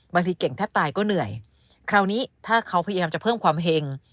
บางทีเก่งแทบตายก็เหนื่อยคราวนี้ถ้าเขาพยายามจะเพิ่มความเห็ง